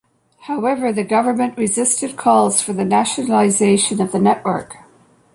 However, the government resisted calls for the nationalisation of the network.